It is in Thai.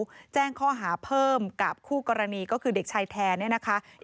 อีกหนึ่งข้อหาก็คือทำร้ายร่างกายผู้อื่นจนถึงแก่ความตาย